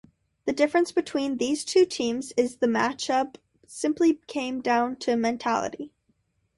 The difference between these two teams in this matchup simply came down to mentality.